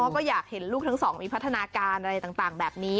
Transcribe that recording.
ก็อยากเห็นลูกทั้งสองมีพัฒนาการอะไรต่างแบบนี้